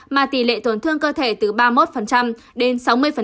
mà tỷ lệ tổn thương cơ thể từ ba mươi một đến sáu mươi